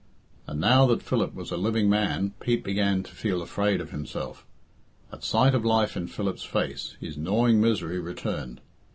And now that Philip was a living man Pete began to feel afraid of himself. At sight of life in Philip's face, his gnawing misery returned.